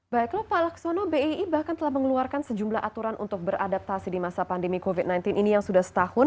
baik lho pak laksono bei bahkan telah mengeluarkan sejumlah aturan untuk beradaptasi di masa pandemi covid sembilan belas ini yang sudah setahun